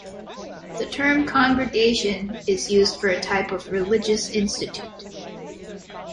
The term "congregation" is used for a type of religious institute.